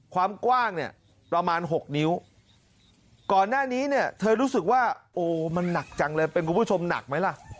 ความกว้างเนี่ยประมาณ๖นิ้วก่อนหน้านี้เนี่ยเธอรู้สึกว่าโอ้มันหนักจังเลยเป็นคุณผู้ชมหนักไหมล่ะ